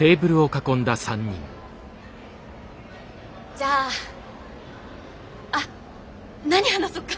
じゃああっ何話そうか？